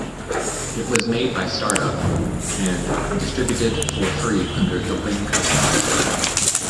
It is made by Stardock, and distributed for free under the WinCustomize brand.